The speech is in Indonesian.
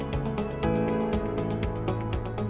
di bumi ini